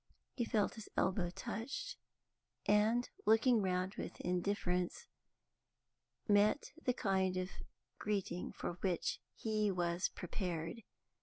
He felt his elbow touched, and, looking round with indifference, met the kind of greeting for which he was prepared.